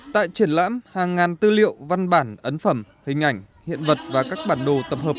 tại triển lãm hàng ngàn tư liệu văn bản ấn phẩm hình ảnh hiện vật và các bản đồ tập hợp